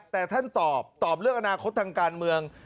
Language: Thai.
แต่ท่านตอบตอบเรื่องอนาคตทางการเมือง